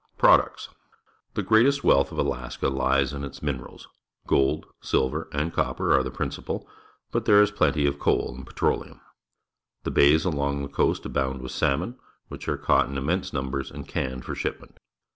Products. — The greatest wealth of Alaska Ues in its minerals. Gold, silver, and copper are the principal, but there is plenty of coal and petroleum. The bays along the coast abound with salmon, which are caught in immense numbers and canned for shipment.